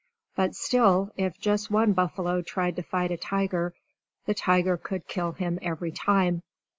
But still, if just one buffalo tried to fight a tiger, the tiger could kill him every time.